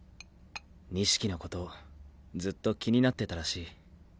錦の事ずっと気になってたらしい。